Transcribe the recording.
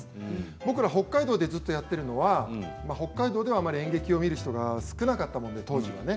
僕ら北海道でずっとやっているのは北海道ではあまり演劇を見る人が少なかったもので当時はね。